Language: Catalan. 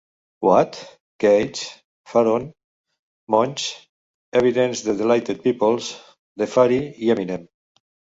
What?, Cage, Pharoahe Monch, Evidence de Dilated Peoples, Defari i Eminem.